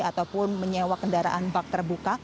ataupun menyewa kendaraan bak terbuka